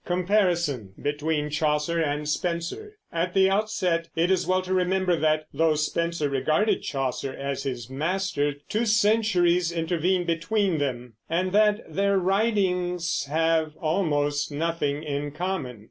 COMPARISON BETWEEN CHAUCER AND SPENSER. At the outset it is well to remember that, though Spenser regarded Chaucer as his master, two centuries intervene between them, and that their writings have almost nothing in common.